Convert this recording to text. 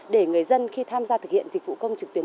để người dân khi tham gia thực hiện dịch vụ công trực tuyến